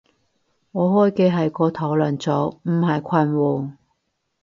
我開嘅係個討論組，唔係群喎